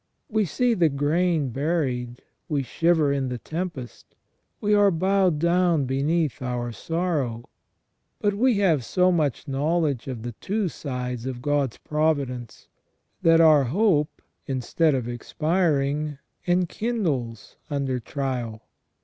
We see the grain buried, we shiver in the tempest, we are bowed down beneath our sorrow j but we have so much knowledge of the two sides of God's providence, that our hope instead of expiring enkindles under trial.